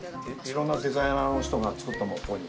いろんなデザイナーの人が作ったのをここに？